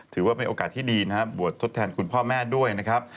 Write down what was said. ถือว่าเป็นโอกาสที่ดีนะครับบวชทดแทนคุณพ่อแม่ด้วยนะครับ